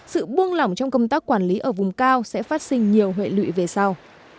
sự buông lỏng trong công tác quản lý ở vùng cao sẽ phát sinh nhiều hệ lụy về sau